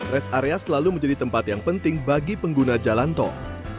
rest area selalu menjadi tempat yang penting bagi pengguna jalan tol